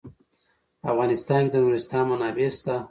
په افغانستان کې د نورستان منابع شته.